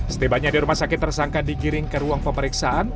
setibanya di rumah sakit tersangka digiring ke ruang pemeriksaan